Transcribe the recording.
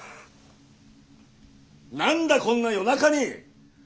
何だこんな夜中に！